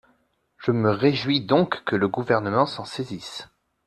Je me réjouis donc que le Gouvernement s’en saisisse.